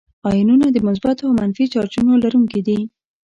آیونونه د مثبتو او منفي چارجونو لرونکي دي.